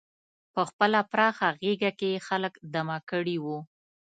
په خپله پراخه غېږه کې یې خلک دمه کړي وو.